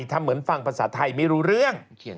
ทำเหมือนฟังภาษาไทยไม่รู้เรื่อง